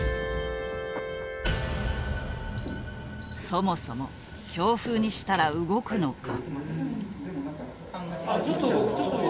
そもそも強風にしたら動くのか？